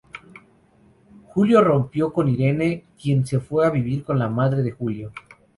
Julio rompió con Irene, quien se fue a vivir con la madre de Julio.